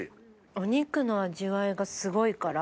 お肉の味わいがすごいから。